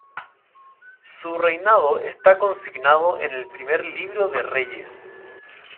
Su reinado está consignado en el Primer Libro de Reyes.